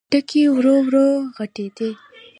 ټکی ورو، ورو غټېده.